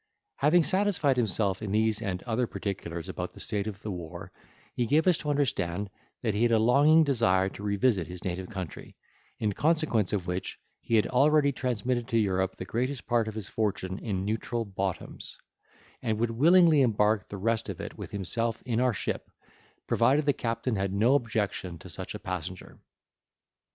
Having satisfied himself in these and other particulars about the state of the war, he gave us to understand, that he had a longing desire to revisit his native country, in consequence of which he had already transmitted to Europe the greatest part of his fortune in neutral bottoms, and would willingly embark the rest of it with himself in our ship, provided the captain had no objection to such a passenger.